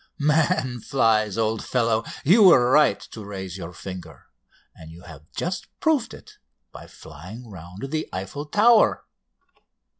"'Man flies!' old fellow! You were right to raise your finger, and you have just proved it by flying round the Eiffel Tower.